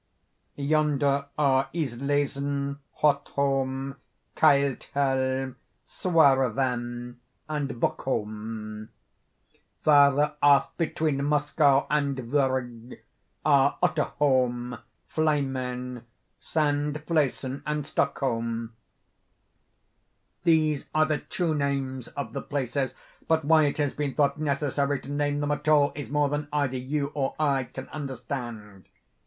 Yonder are Islesen, Hotholm, Keildhelm, Suarven, and Buckholm. Farther off—between Moskoe and Vurrgh—are Otterholm, Flimen, Sandflesen, and Stockholm. These are the true names of the places—but why it has been thought necessary to name them at all, is more than either you or I can understand.